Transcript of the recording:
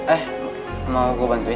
eh mau gue bantuin